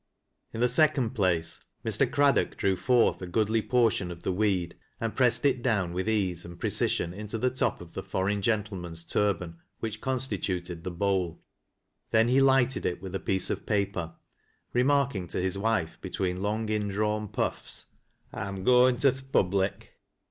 In the second place, Mr. Craddock drew forth a goodly por tion of the weed, and pressed it down with ease and pre cision into the top of the foreign gentleman's turban which constituted the bowl. Then he lighted it with a piece of paper, remarking to his wife between long indrawn puffs, « I'm goin'— to th' Public."